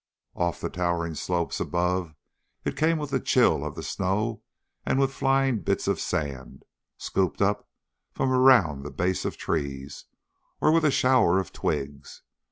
Off the towering slopes above, it came with the chill of the snow and with flying bits of sand, scooped up from around the base of trees, or with a shower of twigs.